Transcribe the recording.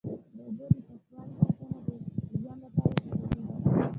د اوبو د پاکوالي ساتنه د ژوند لپاره ضروري ده.